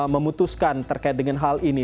memutuskan terkait dengan hal ini